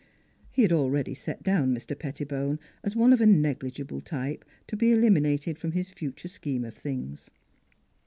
He had already set down Mr. Pettibone as one of a negligible type to be eliminated from his future scheme of things.